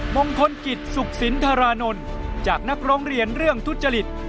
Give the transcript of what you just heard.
มงคลกิจสุขสินธารานนท์จากนักร้องเรียนเรื่องทุจริต